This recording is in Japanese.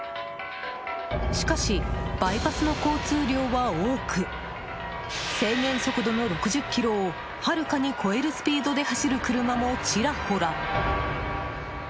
しかし、バイパスの交通量は多く制限速度の６０キロをはるかに超えるスピードで走る車も、ちらほら。